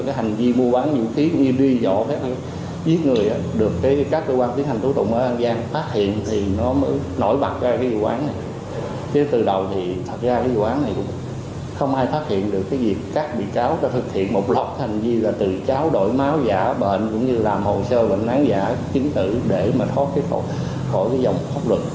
thì một lọc thành như là từ cháu đổi máu giả bệnh cũng như làm hồ sơ bệnh án giả chính tử để mà thoát khỏi dòng pháp luật